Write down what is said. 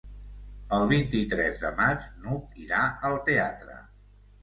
El vint-i-tres de maig n'Hug irà al teatre.